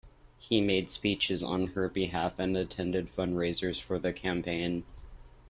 He made speeches on her behalf and attended fundraisers for the campaign.